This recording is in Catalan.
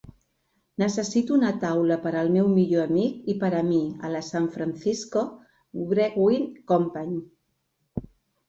Necessito una taula per al meu millor amic i per a mi a la San Francisco Brewing Company.